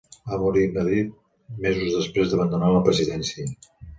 Va morir a Madrid mesos després d'abandonar la presidència.